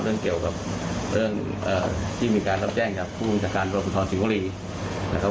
เรื่องเกี่ยวกับเรื่องที่มีการทำแจ้งกับผู้มีจาคอันดรกของครรภาษน์อิบุรีนะครับ